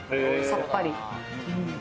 さっぱり。